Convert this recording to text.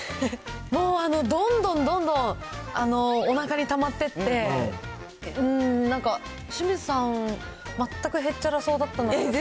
もうあのどんどんどんどん、おなかにたまってって、うーん、なんか清水さん、全くへっちゃらそうだったんだけど。